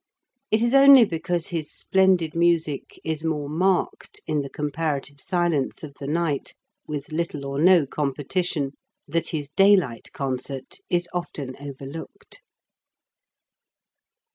It is only because his splendid music is more marked in the comparative silence of the night, with little or no competition, that his daylight concert is often overlooked.